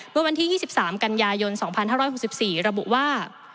เมื่อวันที่๒๓กันยายน๒๕๖๔ระบุว่า